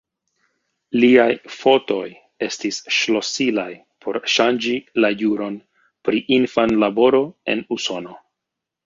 Liaj fotoj estis ŝlosilaj por ŝanĝi la juron pri infanlaboro en Usono.